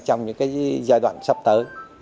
trong những giai đoạn sắp tới